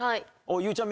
ゆうちゃみ